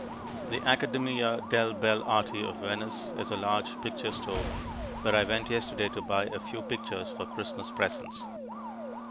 The Accademia delle Belle Arti of Venice is a large picture store where I went yesterday to buy a few pictures for Christmas presents.